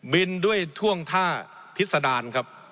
บินด้วยท่วงท่าพิษดาน